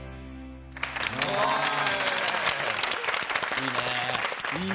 いいね。